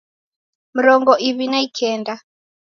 Mrongo iw'i na ikenda